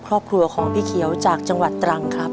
ครอบครัวของพี่เขียวจากจังหวัดตรังครับ